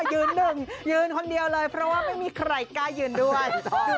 ยืนหนึ่งยืนคนเดียวเลยเพราะว่าไม่มีใครกล้ายืนด้วย